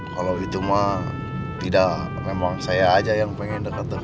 kalau gitu mah tidak memang saya aja yang pengen dekat dekat